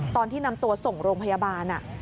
ตอนที่นำตัวส่งโรงพยาบาล